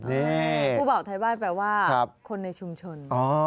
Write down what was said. นี่ผู้บอกไทยบ้านแปลว่าคนในชุมชน